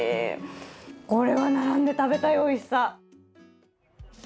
これは並んで食べたいおいしさ。